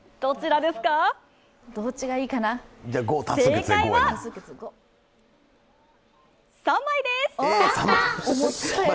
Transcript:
正解は、３枚です。